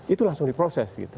itu langsung diproses gitu